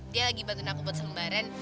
dia lagi bantuin aku buat selembaran